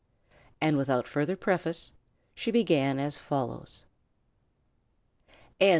And without further preface, she began as follows: CHAPTER II.